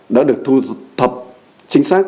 đã được thu thập chính xác